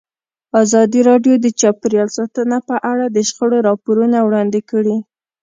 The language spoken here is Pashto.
ازادي راډیو د چاپیریال ساتنه په اړه د شخړو راپورونه وړاندې کړي.